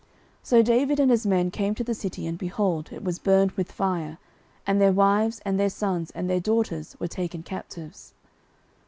09:030:003 So David and his men came to the city, and, behold, it was burned with fire; and their wives, and their sons, and their daughters, were taken captives.